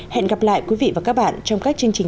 hẹn gặp lại quý vị và các bạn trong các chương trình sau